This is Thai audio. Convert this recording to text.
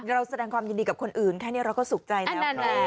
เราแสดงความยินดีกับคนอื่นแค่นี้เราก็สุขใจแล้ว